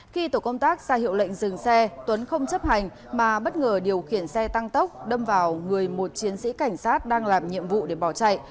khi tổ công tác ra hiệu lệnh dừng xe tuấn không chấp hành mà bất ngờ điều khiển xe tăng tốc đâm vào người một chiến sĩ cảnh sát đang làm nhiệm vụ để bỏ chạy